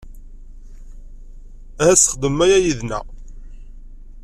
Ahat txedmem aya yid-nteɣ.